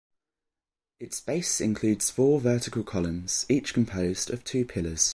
Its base includes four vertical columns, each composed of two pillars.